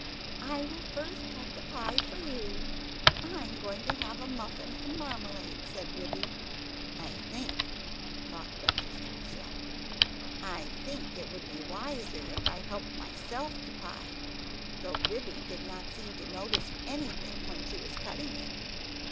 "I will first cut the pie for you; I am going to have muffin and marmalade," said Ribby. "I think" (thought Duchess to herself) "I THINK it would be wiser if I helped myself to pie; though Ribby did not seem to notice anything when she was cutting it.